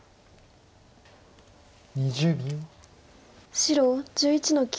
白１１の九。